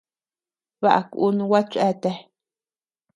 Baʼa kun gua cheatea.